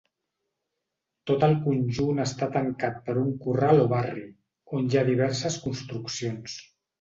Tot el conjunt està tancat per un corral o barri, on hi ha diverses construccions.